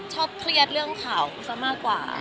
ชอบเครียดเรื่องข่าวซะมากกว่า